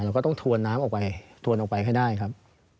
ก็ต้องทวนน้ำออกไปทวนออกไปให้ได้ครับ